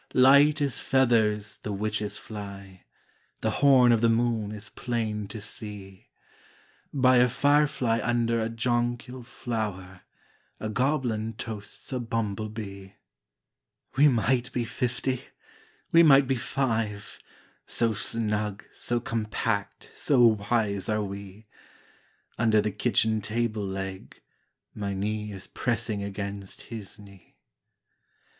Light as feathers the witches fly, The horn of the moon is plain to see; By a firefly under a jonquil flower A goblin toasts a bumble bee. We might be fifty, we might be five, So snug, so compact, so wise are we! Under the kitchen table leg My knee is pressing against his knee.